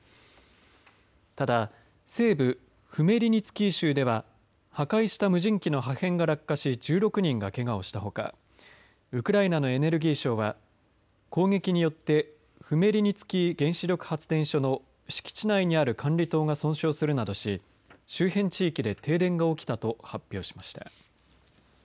ただ、西部フメリニツキー州では破壊した無人機の破片が落下し１６人がけがをしたほかウクライナのエネルギー省は攻撃によってフメリニツキー原子力発電所の敷地内にある管理棟が全焼するなどし周辺地域で停電が起きたと発表しました。